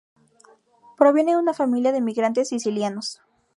Proviene de una familia de emigrantes sicilianos.